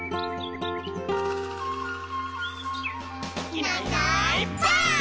「いないいないばあっ！」